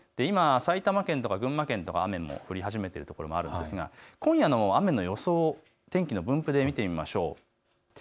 今、埼玉県と群馬県とか雨が降り始めているところもあるんですが今夜の雨の予想を天気の分布で見ていきましょう。